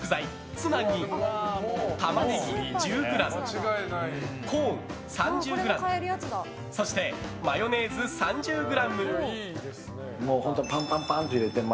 ツナにタマネギ１０ｇ、コーン３０ｇそしてマヨネーズ３０ｇ。